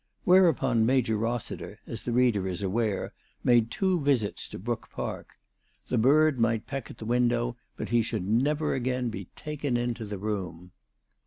Whereupon Major Rossi ter, as the reader is aware, made two visits to Brook Park. The bird might peck at the window, but he should never again be taken into the room.